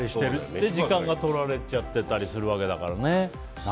で、時間がとられちゃってたりするわけだからね。